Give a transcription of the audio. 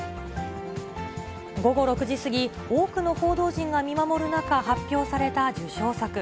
午後６時過ぎ、多くの報道陣が見守る中、発表された受賞作。